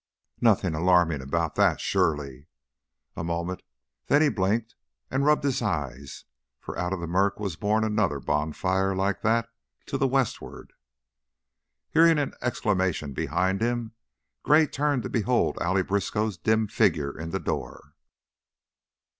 Nothing alarming about that, surely. A moment, then he blinked and rubbed his eyes, for out of the murk was born another bonfire like that to the westward. Hearing an exclamation behind him, Gray turned to behold Allie Briskow's dim figure in the door.